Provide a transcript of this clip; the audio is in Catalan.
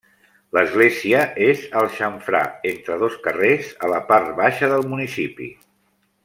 L'església és al xamfrà entre dos carrers, a la part baixa del municipi.